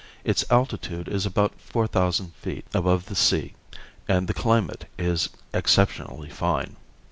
Its altitude is about four thousand feet above the sea and the climate is exceptionally fine.